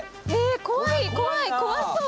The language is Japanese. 怖い怖い怖そう！